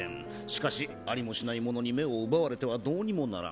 しかしありもしないものに目を奪われてはどうにもならん。